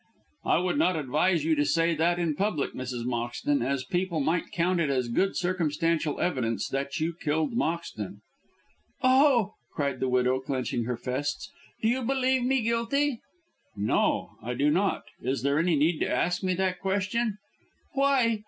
"I would not advise you to say that in public, Mrs. Moxton, as people might count it as good circumstantial evidence that you killed Moxton." "Oh!" cried the widow, clenching her fists. "Do you believe me guilty?" "No, I do not. Is there any need to ask me that question?" "Why?